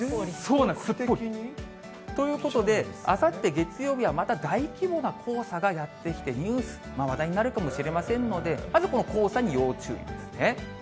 そうなんです、すっぽり。ということで、あさって月曜日は、また大規模な黄砂がやって来て、ニュース、話題になるかもしれませんので、まずこの黄砂に要注意ですね。